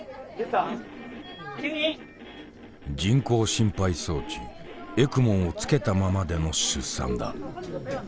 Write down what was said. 人工心肺装置ＥＣＭＯをつけたままでの出産だ。